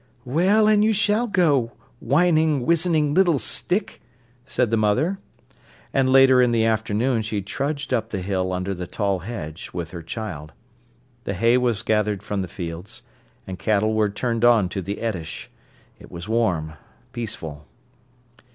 "Well, and you shall go, whining, wizzening little stick!" said the mother. And later in the afternoon she trudged up the hill under the tall hedge with her child. The hay was gathered from the fields, and cattle were turned on to the eddish. It was warm, peaceful.